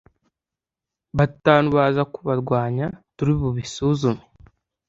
batanu baza kubarwanya turi bubisuzume